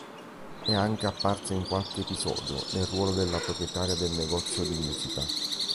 È anche apparsa in qualche episodio, nel ruolo della proprietaria del negozio di musica.